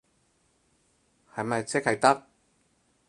係咪即係得？